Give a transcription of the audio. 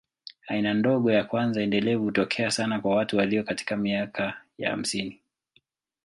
Aina ndogo ya kwanza endelevu hutokea sana kwa watu walio katika miaka ya hamsini.